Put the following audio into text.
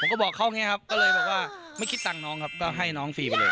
ผมก็บอกเขาเนี้ยครับก็เลยบอกว่าไม่คิดต่างน้องครับก็ให้น้องฟิมเลย